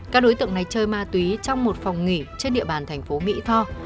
các đối tượng này chơi ma túy trong một phòng nghỉ trên địa bàn thành phố mỹ tho